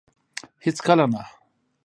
هيڅ کله نه